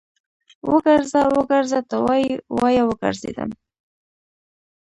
وګرځه، وګرځه ته وايې، وايه وګرځېدم